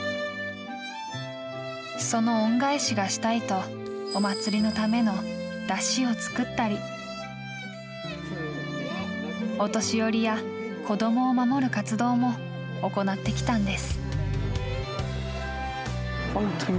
その恩返しがしたいとお祭りのための山車を作ったりお年寄りや子どもを守る活動も行ってきたんです。